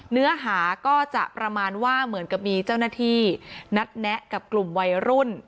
เนื้อหาก็จะประมาณว่าเหมือนกับมีเจ้าหน้าที่นัดแนะกับกลุ่มวัยรุ่น